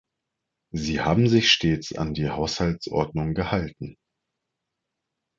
Sie haben sich stets an die Haushaltsordnung gehalten.